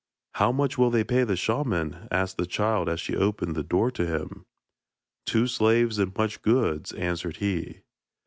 'How much will they pay the shaman?' asked the child as she opened the door to him. 'Two slaves and much goods,' answered he.